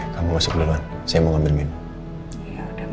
kamu masuk duluan saya mau ambil minum